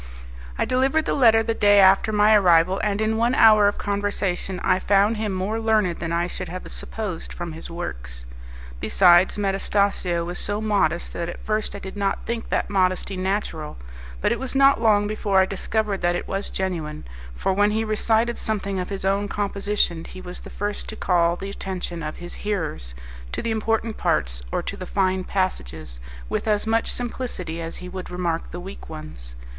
I delivered the letter the day after my arrival, and in one hour of conversation I found him more learned than I should have supposed from his works. Besides, Metastasio was so modest that at first I did not think that modesty natural, but it was not long before I discovered that it was genuine, for when he recited something of his own composition, he was the first to call the attention of his hearers to the important parts or to the fine passages with as much simplicity as he would remark the weak ones.